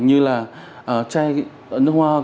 như là chai nước hoa